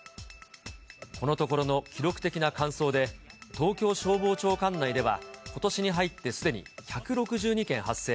このところの記録的な乾燥で、東京消防庁管内では、ことしに入ってすでに１６２件発生。